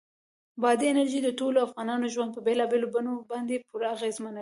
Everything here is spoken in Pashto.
بادي انرژي د ټولو افغانانو ژوند په بېلابېلو بڼو باندې پوره اغېزمنوي.